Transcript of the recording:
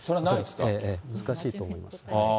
難しいと思います。